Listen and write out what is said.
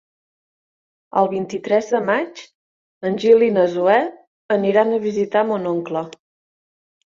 El vint-i-tres de maig en Gil i na Zoè aniran a visitar mon oncle.